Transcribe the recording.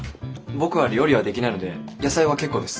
僕は料理はできないので野菜は結構です。